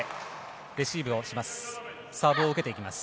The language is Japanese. レシーブをします。